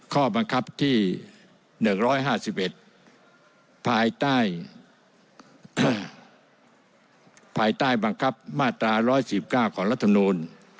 ข้อบังคับที่๑๕๑ภายใต้ภายใต้บังคับมาตรา๑๑๙ของรัฐมนูล